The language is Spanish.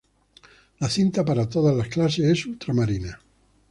La cinta para todas las clases es ultramarina.